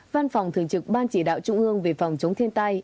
văn phòng thường trực ban chỉ đạo trung ương về phòng chống thiên tai